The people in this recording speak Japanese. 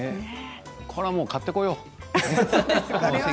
これはもう買ってこよう。